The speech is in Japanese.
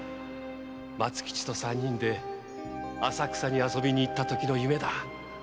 松吉と三人で浅草に遊びに行ったときの夢だ」